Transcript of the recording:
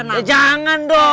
ya jangan dong